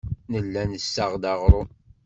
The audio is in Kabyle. Nella nessaɣ-d aɣrum.